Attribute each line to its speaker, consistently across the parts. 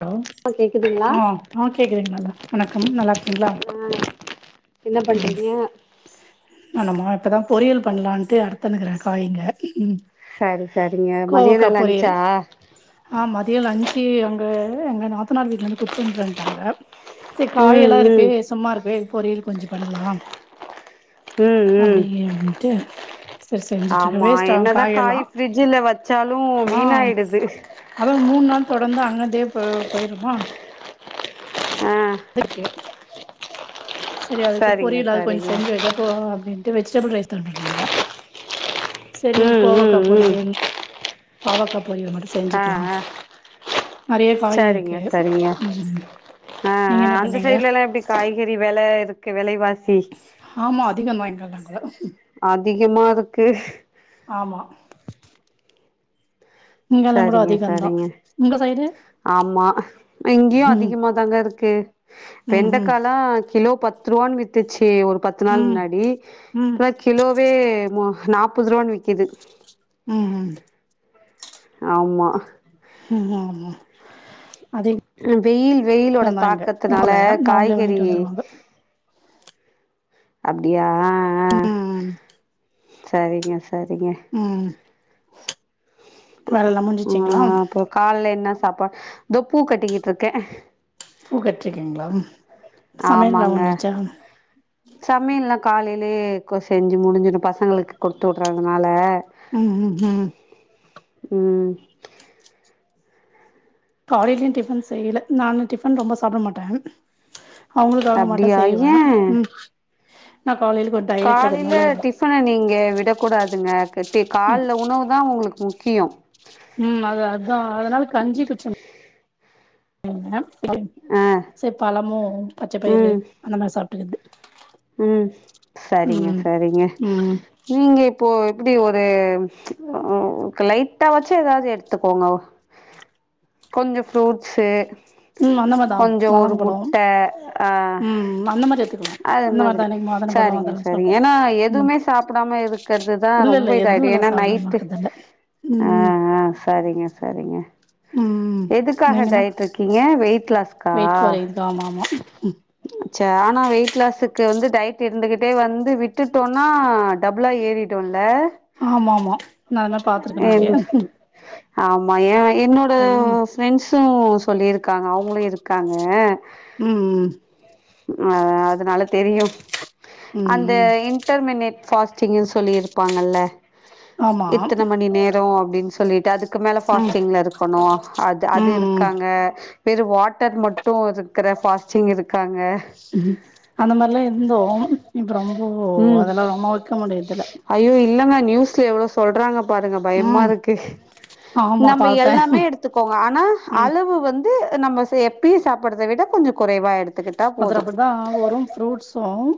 Speaker 1: Hello
Speaker 2: ஆ கேக்குதுங்களா
Speaker 1: ஆஹ் ஆஹ் கேக்குதுங்க வணக்கம் நல்லா இருக்கீங்களா
Speaker 2: ஆ என்ன
Speaker 1: ம்
Speaker 2: பண்றீங்க
Speaker 1: ஆ நம்ம இப்போதான் பொரியல் பண்ணலான்ட்டு அறுத்துனுக்கிறேன் காய்ங்க ம்
Speaker 2: சரி சரிங்க
Speaker 1: கோவக்கா
Speaker 2: மதியானம்
Speaker 1: பொரியல்
Speaker 2: லஞ்ச்சா
Speaker 1: ஆ மதிய லஞ்சு அங்க எங்க நாத்தனார் வீட்டுல இருந்து குத்துஅனுப்புரன்டாங்க செ காய்
Speaker 2: ம்
Speaker 1: எல்லாம்
Speaker 2: ம்
Speaker 1: இருக்கே சும்மா இருக்கே பொரியல் கொஞ்சம் பண்ணலாம்
Speaker 2: ம் ம்
Speaker 1: அப்படி ஏன்ட்டு
Speaker 2: ஆமா என்னதான் காய் ஃபிரிட்ஜ்ல வச்சாலும்
Speaker 1: ஆ
Speaker 2: வீணாயிடுது
Speaker 1: அதா மூணு நாள் தொடர்ந்து அங்க இருந்தே போ போயிருமா
Speaker 2: ஆ
Speaker 1: இருக்கு சேரி அதுக்குல்ல
Speaker 2: சரிங்க
Speaker 1: பொரியிலாது கொஞ்சு
Speaker 2: சரிங்க
Speaker 1: செஞ்சு வேச்சா போ அப்டின் ட்டு வெஜிடபிள் ரைஸ் தான்டானங்க செரி
Speaker 2: ம்
Speaker 1: கோவக்கா
Speaker 2: ம் ம்
Speaker 1: போரியல் பாவக்காப் பொரியல் மட்டு
Speaker 2: ஆ
Speaker 1: செஞ்சுக்குலா
Speaker 2: ஆ
Speaker 1: நெறைய காய்
Speaker 2: சரிங்க
Speaker 1: இருக்கு
Speaker 2: சரிங்க
Speaker 1: உம் நீங்க என்ன பண்ணீங்க
Speaker 2: எரி வேல இருக்கு வெலைவாசி சேஸ்
Speaker 1: ஆமா அதிகந்தா இங்கெல்லா கூட
Speaker 2: அதிகமா இருக்கு
Speaker 1: ஆமா இங்கெல்லா கூட
Speaker 2: சரிங்க
Speaker 1: அதிகந்தா
Speaker 2: சரிங்க
Speaker 1: உங்க சைடு
Speaker 2: ஆமா இங்கியு
Speaker 1: ம்
Speaker 2: அதிகமா தாங்க இருக்கு
Speaker 1: ம் ம்
Speaker 2: வெண்டக்கால்லா கிலோ பத் த்து ரூவான் வித்துச்சு ட்டு ஒரு பத்து நாள்
Speaker 1: ம்
Speaker 2: முன்னாடி
Speaker 1: ம்
Speaker 2: இப்ப கிலோவே மோ நாற்பது ரூவான்னு விக்குது
Speaker 1: உம் உம்
Speaker 2: ஆம்மா
Speaker 1: ஆம்மா
Speaker 2: வெயில் வெயிலோட
Speaker 1: அதிகந்தா இங்க
Speaker 2: தாக்கத்துனால
Speaker 1: நால அவங்களே
Speaker 2: காய்கறி
Speaker 1: வாங்கிட்டு வந்துருவாங்க
Speaker 2: அப்டியா
Speaker 1: உம்
Speaker 2: செரிங்க செரிங்க
Speaker 1: வேலல்லா முடிஞ்சிச்சிங்களா
Speaker 2: உம் அப்ப காலையில என்ன சாப்பாடு தோ பூ கட்டிக்கிட்டுயிருக்கே
Speaker 1: பூ கட்றீக்கீங்குளா
Speaker 2: ஆமாங்க சமையில்லா காலையிலயே கோ செஞ்சு முடிஞ்சுது பசங் களுக்கு கொடுத்து விடுறதுனால
Speaker 1: ம் ம் ம்
Speaker 2: உம்
Speaker 1: காலையில டிஃபன் செய்யில நானு டிஃபன் ரொம்ப சாப்புட மாட்டேன்
Speaker 2: அப்டியா ஏ
Speaker 1: நா காலையில கொஞ்ச டயட்ல
Speaker 2: காலையில
Speaker 1: இருக்கனால
Speaker 2: டிஃபன நீங்க விடக்கூடாதுங்க டீ கால்ல உணவுதா உங்குளுக் முக் கியோ
Speaker 1: உம் அது அதா அதனால் கஞ்சி குச்சேங் ஏங்கம் டைம்
Speaker 2: ஆ
Speaker 1: சேர் பலமோ பச்ச பயிறு அந்த மாரி சாப்புட்குது
Speaker 2: உம் சரிங்க
Speaker 1: ம்
Speaker 2: சரிங்க
Speaker 1: ம்
Speaker 2: நீங்க இப்போ எப்டி ஒரு லைட்டா வாச்சு எதாவது எடுத்துக்கோங்க கொஞ்சோ ஃப்ரூட்ஸு.
Speaker 1: உம் அந்த மாரிதா
Speaker 2: கொஞ்சோ ஒரு முட்ட
Speaker 1: [unintelligible] உம் அந்த மாரி எடுத்துக்கோங்க.
Speaker 2: அந்த மாதிரி சரிங்க சரிங்க ஏன்னா
Speaker 1: ம்
Speaker 2: எதுவுமே சாப்புடாம இருக்குறதுதா
Speaker 1: இல்ல
Speaker 2: ரொம்ப
Speaker 1: இல்ல
Speaker 2: இதாயிடோ
Speaker 1: எதுவுல்லா
Speaker 2: ஏன்னா
Speaker 1: சாப்ட
Speaker 2: நைட்டு
Speaker 1: மாட்டதில்ல ம்
Speaker 2: ஆஹ ஆஹ சரிங்க சரிங்க.
Speaker 1: ம்
Speaker 2: எதுக்காக
Speaker 1: நீங்க என்ன
Speaker 2: டயட்டுயிருக்கீங்க வெயிட் லாஸ்.
Speaker 1: வெயிட் கொறையதா ஆமா ஆமா.
Speaker 2: சேன்னா வெயிட். லாஸ்ஸுக்கு வந்து டயட் இருந்துகிட்டே வந்து விட்டுட்டோனா டபுள்ளா ஏறிடுல்.
Speaker 1: ஆமா ஆமா நா அதுலா பாத்துருக்க
Speaker 2: என்
Speaker 1: நெறைய.
Speaker 2: ஆமா எ. என்னோட
Speaker 1: ம்
Speaker 2: ஃப்ரெண்ட்ஸும் சொல்லியிருக்காங்க அவங்களுயிருக்காங்க.
Speaker 1: ம்
Speaker 2: ஆஹ அது. அதனால தெரியு.
Speaker 1: ம்
Speaker 2: அந்த
Speaker 1: ம்
Speaker 2: இன்டர்மினேட் பாஸ். டிங்குனு சொல்லியிருப்பாங்க இல்ல.
Speaker 1: ஆமா
Speaker 2: இத்தன மணி நேரோ. அப்படினு சொல்லிட்டு அது. மேல
Speaker 1: ம்
Speaker 2: பாஸ்டிங்ல இருக்கணு அது அது
Speaker 1: ம்
Speaker 2: இருக்காங்க. வெற வாட்டர் மட்டும் இருக்குற. ஃபாஸ்ட்டிங் இருக்காங்க.
Speaker 1: உம். அந்த மாதிரிலா இருந்தோ இப்ப ரொம்ப
Speaker 2: ம்
Speaker 1: அதெல்லா ரொம்ப வைக்க முடியரதுல்ல.
Speaker 2: ஸ்ல எவ்வளோ சொல்றாங்க. பாருங்க பயமா இருக்கு.
Speaker 1: ஆமா
Speaker 2: நம்ம
Speaker 1: பாத்தே
Speaker 2: எல்லாமே எடுத்துக்கோங்க ஆனா
Speaker 1: ம்
Speaker 2: அளவு வந்து. நம்ம எப்பி சாப்பிறத விட கொஞ்சோ. குறைவா எடுத்துக்கிட்டா போது.
Speaker 1: ஃப்ரூட்ஸும்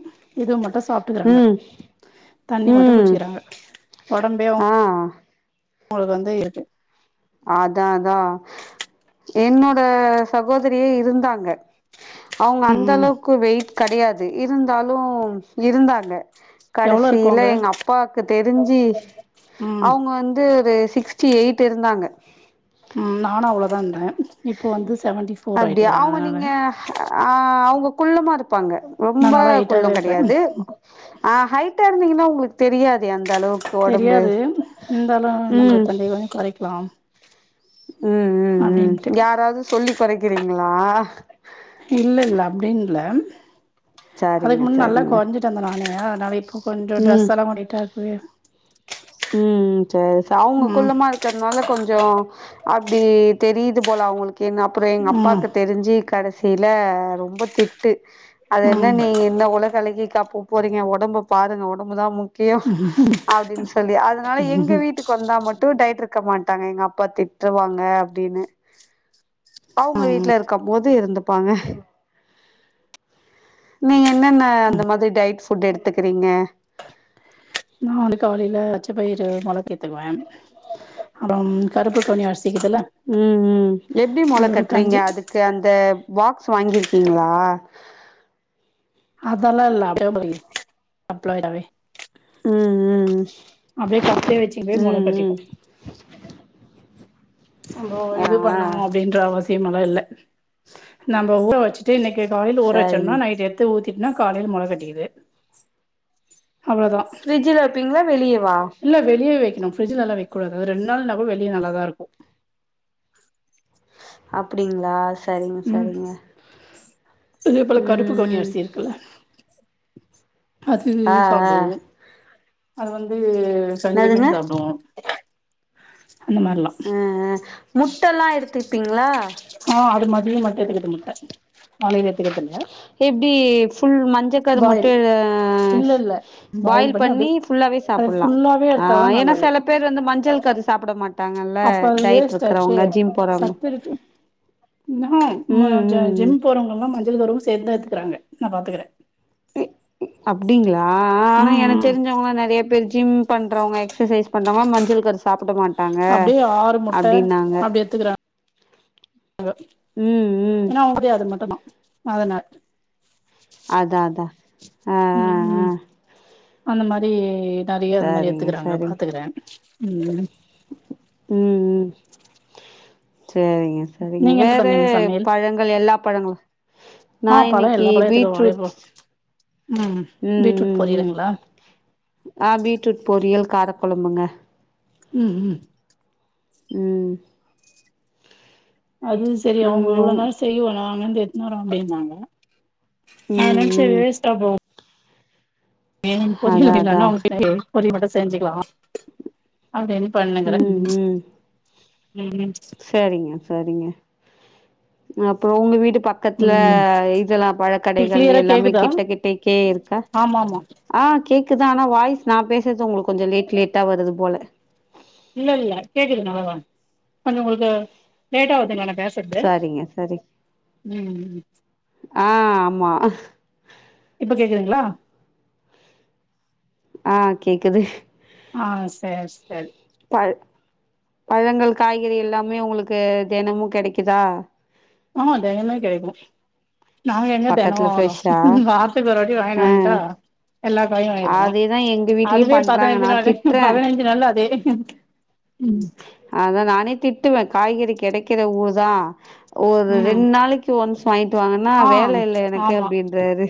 Speaker 1: இது மட்டும் சாப்புட்டுக்குறாங்க.
Speaker 2: ம்
Speaker 1: தண்ணி மட்டும்
Speaker 2: ம்
Speaker 1: குடிச்சிக்கிறாங்க உடம்பே.
Speaker 2: ஆ
Speaker 1: அங்களுக்கு வந்து இருக்கு.
Speaker 2: அதா அதா என்னோட சகோதரியே இருந்தாங்க. அவங்க
Speaker 1: ம்
Speaker 2: அந்த
Speaker 1: ம்
Speaker 2: அளவுக்கு வெயிட். கெடையாது இருந்தாலும் இருந்தாங்க.
Speaker 1: எவ்ளோ இருக்கு
Speaker 2: கடைசியில
Speaker 1: அங்க
Speaker 2: எங்க அப்பாக்கு. தெரிஞ்சு.
Speaker 1: ம்
Speaker 2: அவங்க வந்து ஒரு. சிக்ஸ்டி எயிட் இருந்தாங்க [inaudible]
Speaker 1: உம் நானு அவ்ளோதான் இருந்தேன்
Speaker 2: அப்டியா அவங்க
Speaker 1: அதனால
Speaker 2: நீங்க ஆஹ் அவங்க குள்ள மா இரு ப்பாங்க
Speaker 1: நா
Speaker 2: ரொம்ப
Speaker 1: நல்லா ஹைட்டாவே
Speaker 2: குள்ளம்
Speaker 1: இருப்பே
Speaker 2: கடையாது ஆஹ் ஹைட்டா இருந்தீங்கன்னா உங்களுக்கு தெரியாது அந்த அளவுக்கு ஒடம்பு
Speaker 1: தெரியாது இருந்தாலும் நம்ம கொஞ்ச கொறைக்லாம்
Speaker 2: உம் உம் உம் யாராவது சொல்லி கொறை இருக்கிறீங்களா
Speaker 1: இல்ல இல்ல அப்டின்ல அதுக்கு
Speaker 2: சரிங்க
Speaker 1: முன்ன நல்லா
Speaker 2: சரிங்க
Speaker 1: குறைஞ்சிட்டு இருந்தன் நானு அதனால இப்போ கொஞ்சம்
Speaker 2: ம்
Speaker 1: ட்ரெஸ் எல்லாம் நீடிட்டாக்குவே
Speaker 2: உம் உம் சரி ச அவங்க
Speaker 1: ம்
Speaker 2: குள்ளமா இருக்கிறதுனால கொஞ்சம் அப்டி தெரியுது போல அவங்களுக்கு என்ன அப்புறம் எங்க
Speaker 1: ம்
Speaker 2: அப்பாக்கு தெரிஞ்சு கடசி சில ரொம்ப திட்டு அது என்ன
Speaker 1: ம்
Speaker 2: நீ என்ன உலக அழகிக்கா போபோறீங்க ஒடம்பு பாருங்க ஒடம்பு தான் முக் கியம் அப்டின்ட்டு சொல்லி அதுனால எங்க வீட்டுக்கு வந்தா மட்டும் டயர்ட் இரு கக்க மாட்டாங்க எங்க அப்பா திட்டுவாங்க அப்டின்னு அவங்க
Speaker 1: ம்
Speaker 2: வீட்டுல இருக்கும் போது இருந்து பாங்க நீங்க என்னன்ன அந்த மாதிரி டைட்ஸ் ஃபுட் எடுத்துக்கிறீங்க
Speaker 1: நான் வந்து காலையில பச்ச பயர்ரு முளக்கேத்துவேன் அப்புறம் கருப்புகவுனி அரிசி இருக்குதுல்ல
Speaker 2: உம் உம் எப்டி மொள
Speaker 1: அதோட
Speaker 2: கட்டுறீங்க
Speaker 1: கஞ்சி
Speaker 2: அதுக்கு அந்த பாக்ஸ் வாங்கிருக்கு ருக்கிங்களா
Speaker 1: அதல்லா இல்ல அப்டே அப்ளைடாவே
Speaker 2: உம் உம்
Speaker 1: கப்லயே வச்சுக்கவே மொள
Speaker 2: உம் உம்
Speaker 1: கட்டிக்கு
Speaker 2: உம்
Speaker 1: நம்ம இது பண்ணும் அப்படின்றாவாசி ல்ல இல்ல நம்ம ஊற வச்சுட்டு இன்னைக்கு காலை ஊறவச்சண்ணா
Speaker 2: சரிங்க
Speaker 1: நைட் எத்து ஊத்தி தின்னா காலையில மொள கட்டிக்கிது
Speaker 2: பிரிஜில வப்பீங்களா வெளியவா
Speaker 1: என பிரிஜிலலாம் வக்கூடாது ரெண் நாள் நா கூட வெளிய நல்லாத இருக்கும்
Speaker 2: அப்புடிங்களா சரிங்க
Speaker 1: ம்
Speaker 2: சரிங்க
Speaker 1: அதே போல
Speaker 2: ம்
Speaker 1: கருப்பு கவுனி
Speaker 2: ம்
Speaker 1: அரிசி இருக்குல்ல அது
Speaker 2: ஆ ஆ
Speaker 1: சாப்புடுவும் அது வந்து தூ செஞ்சு பண்ணி
Speaker 2: என்னதுங்க
Speaker 1: சாப்பிடுவோம்
Speaker 2: அஹ் முட்டெல்லாம் எடுத்துப்பீங்களா
Speaker 1: [unintelligible] மட்டும் எத்துக்குது முட்ட காலையிலே
Speaker 2: எப்டி ஃபுல் மஞ்ச கரு
Speaker 1: பாயில்
Speaker 2: மட்டும் ஹான்
Speaker 1: இல்ல இல்ல
Speaker 2: பாயில் பண்ணி புல்லாவே
Speaker 1: அது
Speaker 2: சாப்புலாம்
Speaker 1: ஃபுல்லாவே எடுத்தாதா
Speaker 2: ஹான் எனா
Speaker 1: நல்லது
Speaker 2: சில பேர் வந்து மஞ்சள் கரு சாப்பட மாட்
Speaker 1: அப்ப அது வேஸ்ட் ஆச்சே
Speaker 2: போறவங்க
Speaker 1: சத்திருக்கு ம
Speaker 2: ம்
Speaker 1: ஜ
Speaker 2: ம்
Speaker 1: ஜிம் போறவங்கலா ம இருவரும் சேர்ந்தான் எத்துக்குறாங்க நான் பாத்துக்குறன்
Speaker 2: அப்டிங்கள ஆஆஆ ஆனா
Speaker 1: ம்
Speaker 2: எனக்கு
Speaker 1: ம்
Speaker 2: தெரிஞ்சவங்க நெறைய பேர் ஜிம் பண்றவங்க எக்சசைஸ் பண்றவங்கலா மஞ்சள் கரு சாப்ட மாட்டாங்க
Speaker 1: அப்டியே ஆறு முட்ட
Speaker 2: அப்டின்னாங்க
Speaker 1: அப்டி
Speaker 2: ம் ம்
Speaker 1: என்னா [unintelligible] அது மட்டும்தான் அதனாள்
Speaker 2: அதான் அதான்
Speaker 1: ம் ம்
Speaker 2: ஆஹ்ஹ்ஹ்
Speaker 1: அந்த மாரி நெறைய அது மாரி எத்துக்கறாங்க
Speaker 2: சரிங்க
Speaker 1: பாத்துக்குறன் உம்
Speaker 2: உம் உம் செரிங்க சரிங்க
Speaker 1: நீங்க என்ன
Speaker 2: வேற
Speaker 1: பண்ணீங்க சமையல்
Speaker 2: பழங்கள் எல்லா பழங்களும்
Speaker 1: ஆ
Speaker 2: நான்
Speaker 1: பழோ
Speaker 2: இன்க்கி
Speaker 1: எல்லா பழோ எத்துக்குவோ
Speaker 2: பீட்ரூட்
Speaker 1: வாழைப்பழோ ம்
Speaker 2: உம்
Speaker 1: பீட்ரூட்
Speaker 2: ம் ம்
Speaker 1: பொரியலுங்களா
Speaker 2: ஆஹ பீட்ரூட் பொரியல் காரக்குலம்புங்க
Speaker 1: உம் உம்
Speaker 2: உம்
Speaker 1: அதுவு செரி அவங்க
Speaker 2: ம் உ
Speaker 1: இவ்ளோ நேரம் செய்வோனா அங்க வந்து எதுனு வர முடியுமாங்க ஆஹ்
Speaker 2: ம்
Speaker 1: நன்ச
Speaker 2: ம்
Speaker 1: வேஸ்டா போவோம் [unintelligible] பொரியல்
Speaker 2: அதா அதா
Speaker 1: மட்டும் செஞ்சுக்கலாம் அப்படின்னு பண்ணுங்கிறேன்
Speaker 2: ம் ம்
Speaker 1: உம்
Speaker 2: செரிங்க அப்புறம் உங்க வீட்டு பக்கத்துல
Speaker 1: ம்
Speaker 2: இதெல்லாம் பழக்கடைகள்
Speaker 1: கிளியரா
Speaker 2: எல்லாமே
Speaker 1: கேக்குதா
Speaker 2: கிட்ட கிட்டக்கே இருக்கா
Speaker 1: ஆமா ஆமா
Speaker 2: ஆஹ் கே கேக்குதான் ஆனா வாய்ஸ் நான் பேசுறது உங்களுக்கு கொஞ்சம் லேட் லேட்டா வருது போல
Speaker 1: இல்ல இல்ல கேக்குது நல்லதான் கொஞ்சம் உங்களுக்கு லேட்டா ஆகுதுங்களா நான் பேசுறது
Speaker 2: சரிங்க சரி
Speaker 1: உம்
Speaker 2: ஆஹ் ஆமா
Speaker 1: இப்ப கேக்குதுங்களா
Speaker 2: ஆஹ் கேக்குது
Speaker 1: ஆஹ் சரி சரி
Speaker 2: பழ பழங்கள் காய்கறி எல்லாமே உங்களுக்கு தினமும் கிடைக்குதா
Speaker 1: ஆஹ் தெனமும் கெடைக்கும் நாங்க எங்க தினமும்
Speaker 2: பக்கத்துல ஃப்ரெஷ்ஷா
Speaker 1: வாங்குறோம் வாரத்துக்கு ஒரு வாட்டி வாங்கின்னு
Speaker 2: ஆ
Speaker 1: வந்துட்டா எல்லா காயும் வாங்கிடுவோம்
Speaker 2: அதேதா எங்க வீட்லயு
Speaker 1: அதுவே
Speaker 2: பண்றாங்க
Speaker 1: பதினஞ்சு
Speaker 2: நா
Speaker 1: நாள் பதினஞ்சு நாள் அதே எதுக்கு
Speaker 2: அதான் நானே திட்டுவேன் காய்கறி கிடைக்கிற ஊர் தான் ஒரு
Speaker 1: ம்
Speaker 2: ரெண்டு நாளைக்கு ஒன்ஸ் வாங்கிட்டு வாங்கன்னா
Speaker 1: ஆ
Speaker 2: வேலை இல்லை எனக்கு
Speaker 1: ஆமா
Speaker 2: அப்படின்றாரு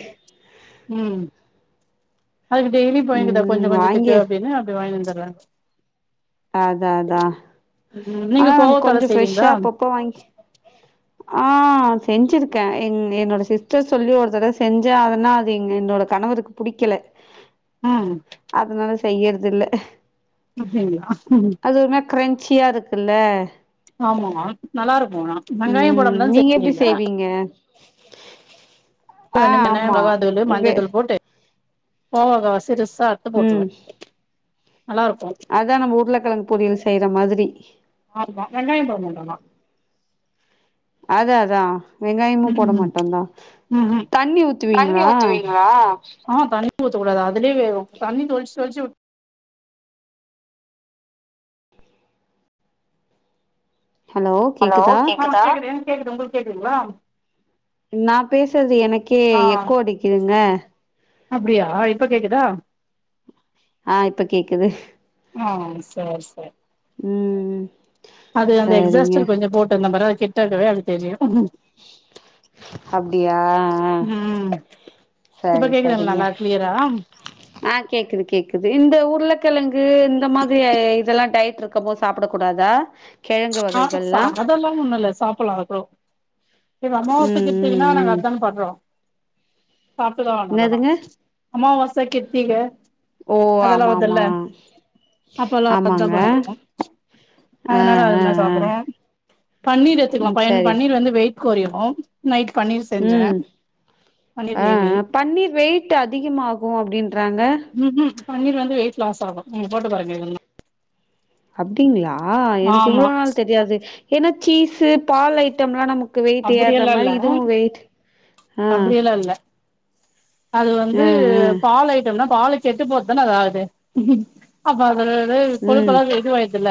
Speaker 1: அதுக்குடெய்லி போயங்கதா கொஞ்ச கொஞ்சதிக்கு அப்டினு அப்டி வாங்கிந்தா அதாங்க
Speaker 2: அதான் அதான்
Speaker 1: ம் நீங்க
Speaker 2: ஆனா
Speaker 1: கோவக்கால
Speaker 2: கொஞ்சம் ஃப்ரெஷ்ஷா
Speaker 1: செய்வீங்களா
Speaker 2: அப்ப அப்போ வாங்கி ஆஹ் செஞ்சிருக்கேன் எங் என்னோட சிஸ்டர் சொல்லி ஒரு தடவை செஞ்சேன் அதனா அது எங்க என்னோட கணவருக்கு புடிக்கல
Speaker 1: ம்
Speaker 2: அதனால செய்யறது இல்ல
Speaker 1: [unintelligible] ஹ [unintelligible]
Speaker 2: கிரெஞ்ச்சியா இருக்குல்ல
Speaker 1: ஆமா நல்லா இருக்கும் வெங்காயம்
Speaker 2: ம்
Speaker 1: போடாம தான்
Speaker 2: நீங்க எப்டி
Speaker 1: செய்வீங்களா
Speaker 2: செய்வீங்க ஆ ஆமா
Speaker 1: மிளகாய் தூள்
Speaker 2: வே
Speaker 1: மஞ்ச தூள் போட்டு ஓஹோ செரிஸ் ஆஹ் அறுத்து போட்ருவேன்
Speaker 2: அதான் நம்ம வுட்ல கழங்கு பொரியல் செய்ற மாதிரி
Speaker 1: ஆமா வெங்காயம் போட மாட்டேன்னா
Speaker 2: அது அதான்
Speaker 1: உம் உம் உம் உம்
Speaker 2: தண்ணி
Speaker 1: தண்ணி
Speaker 2: ஊத்துவீங்களா
Speaker 1: ஊத்துவீங்களா ஆஹ் தண்ணி ஊத் த கூடாது அதுலயே தண்ணி தொழிச்சு தொழிச்சு ஹலோ கேக்குதா கேக்குதுங்களா
Speaker 2: நான் பேசுறது எனக்கே எக்கோ அடிக்குதுங்க
Speaker 1: அப்படியா இப்ப கேக்குதா
Speaker 2: ஆஹ் இப்ப கேக்குது
Speaker 1: ஆ சரி சரி
Speaker 2: உம் உம்
Speaker 1: அது அந்த எக்ஸாஸ்டர் கொஞ்சம் போட்டுந்த பாரு கெட்டாதவே அது தெரியும்
Speaker 2: அப்டியா
Speaker 1: ம் இப்ப
Speaker 2: சரி
Speaker 1: கேக்குதுங்களா
Speaker 2: சரிங்க
Speaker 1: நல்லா கிளியரா
Speaker 2: ஆஹ் கேக்குது கேக்குது இந்த உருளக்கெழங்கு இந்த மாதிரி இதெல்லாம் டயட் இருக்கு இருக்மோ சாப்பிட கூடாதா கெழங்கு வகைகள்லா
Speaker 1: ஆஹ் அதெல்லாம் ஒண்ணும் இல்ல சாப்புடலாம் அதகூட இப்ப அம்மாவாச
Speaker 2: ம் ம்
Speaker 1: கிருத்திகன்னா நாங்க
Speaker 2: ம்
Speaker 1: அத தான் பண்றோம் சாப்பிட்டுதா வாங்க அம்மா
Speaker 2: என்னதுங்க
Speaker 1: அமாவாச கிர்த்திக
Speaker 2: ஓ ஆமாம்மா
Speaker 1: அப்பல்லா அதா
Speaker 2: ஆமாங்க
Speaker 1: பண்றோ
Speaker 2: ஆஹ்ஆஹ்
Speaker 1: சாப்பறோம் பன்னீர் எத்துக்கலாம் பன்னீர் வந்து வெயிட் கொறையும் நைட் பன்னீர் செஞ்சே
Speaker 2: உம்
Speaker 1: பன்னீர் கிரேவி
Speaker 2: ஆஹ் பன்னீர் வெயிட் அதிகமாகும் அப்டின் ராங்க
Speaker 1: ம் ம் பன்னீர் வந்து வெயிட் லாஸ் ஆகும் நீ போட்டு பாருங்க இது
Speaker 2: அப்படிங்களா ஆஹ் எனக்கு
Speaker 1: ஆமா
Speaker 2: இவ்ளவு நாள் தெரியாது என்ன சீஸ் பால் ஐட்டம்லாம் நமக்கு வெயிட் ஏர்ற
Speaker 1: அப்டியெல்லா இல்ல
Speaker 2: மாரி இதுவும் வெயிட் ஆஹ்
Speaker 1: அப்டியெல்லா இல்ல அது வந்து பால் ஐட்டம்னா பால் கெட்டு போது தானே அது ஆகுது அது
Speaker 2: ம்
Speaker 1: கொழுப்பலாம் இதுவாய்துல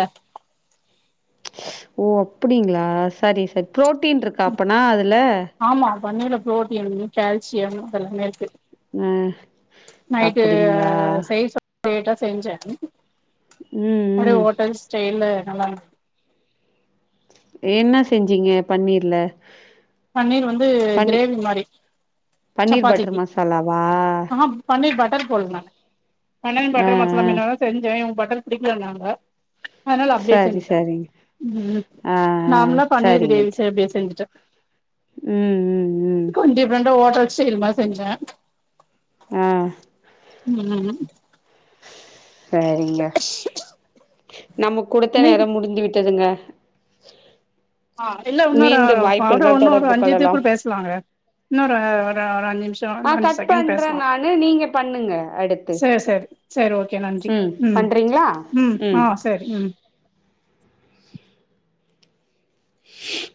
Speaker 2: ஓ அப்புடிங்களா சரி சரி புரோட்டீன் இருக்கா அப்பனா அதுல
Speaker 1: வண்ணில பு்ரோட்டீன் கால்சியம் அதெல்லாமே இருக்கு
Speaker 2: உம்
Speaker 1: நைட்டு
Speaker 2: அப்படிங்களா
Speaker 1: செய்ய சொ லேட்டா செஞ்சேன்
Speaker 2: ம்
Speaker 1: அப்படி
Speaker 2: ம்
Speaker 1: ஹோட்டல் ஸ்டைல ஆமா
Speaker 2: என்ன செஞ்சீங்க பன்னீர்ல
Speaker 1: பன்னீர் வந்து
Speaker 2: பன்னீ
Speaker 1: கிரேவி மாரி
Speaker 2: பன்னீர் பட்டர்
Speaker 1: சப்பாத்திக்கு
Speaker 2: மசாலாவா
Speaker 1: ஆஹ பன்னீர் பட் கேரட் போடுவே நா பன்னீர்
Speaker 2: ஆ
Speaker 1: பட்டர் மசாலா
Speaker 2: ஆ
Speaker 1: மீண்ணலான் செஞ்சேன் படிக்கல நாங்க அதுனால அப்படியே
Speaker 2: சரி
Speaker 1: செஞ்சுட்டேன்
Speaker 2: சரிங்க
Speaker 1: உம்
Speaker 2: ஆ ஆ
Speaker 1: நார்மலா பன்னீர்
Speaker 2: சரிங்க
Speaker 1: கிரேவி செ அப்படியே செஞ்சுட்டேன்
Speaker 2: ம் ம் ம்
Speaker 1: கன் டிப்ரன்டா ஓட்டல் செய்ரமா செஞ்சேன்
Speaker 2: ஆ
Speaker 1: உம்
Speaker 2: சரிங்க நம்ம குடுத்த
Speaker 1: நீ
Speaker 2: நேரம் முடிந்து விட்டதுங்க
Speaker 1: ஆஹ் இல்ல இன்னொரு
Speaker 2: மீண்டும்
Speaker 1: அவறம்
Speaker 2: வாய்ப்பு இருந்தால்
Speaker 1: இன்னும் ஒரு
Speaker 2: தொடர்பு
Speaker 1: அஞ்சுது
Speaker 2: கொள்ளலாம்
Speaker 1: கூட பேசலாங்க இன்னொரு ஒரு அஞ்சு நிமிஷம்
Speaker 2: ஆ கட் பண்றே நானு நீங்க பண்ணுங்க அடுத்து
Speaker 1: சேரி சேரி சேரி ஓகே நன்றி
Speaker 2: ம் பண்றீங்களா
Speaker 1: ஆ
Speaker 2: ம்
Speaker 1: சேரி ம்